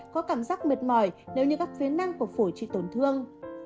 có cảm giác mệt mỏi nếu như các phế nang của phổi chỉ tổn thương